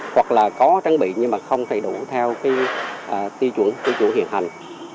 hoặc là có trang bị nhưng mà không đầy đủ theo tiêu chuẩn hiện hành